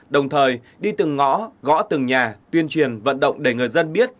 đồng thời đi từng ngõ gõ từng nhà tuyên truyền vận động để người dân biết